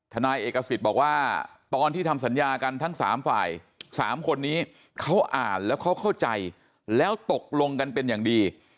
นายเอกสิทธิ์บอกว่าตอนที่ทำสัญญากันทั้ง๓ฝ่าย๓คนนี้เขาอ่านแล้วเขาเข้าใจแล้วตกลงกันเป็นอย่างดี